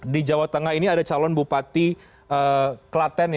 di jawa tengah ini ada calon bupati klaten